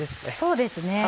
そうですね。